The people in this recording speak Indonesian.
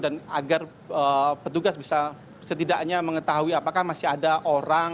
dan agar petugas bisa setidaknya mengetahui apakah masih ada orang